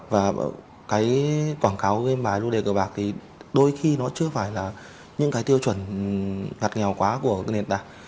và cái quảng cáo game bài lưu đề cờ bạc thì đôi khi nó chưa phải là những cái tiêu chuẩn gạt nghèo quá của các nền tảng